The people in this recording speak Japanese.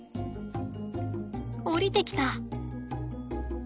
降りてきた。